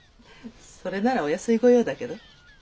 それならお安い御用だけど。